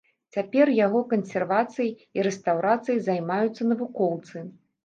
Цяпер яго кансервацыяй і рэстаўрацыяй займаюцца навукоўцы.